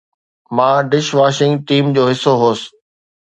مان dish washing team جو حصو هوس.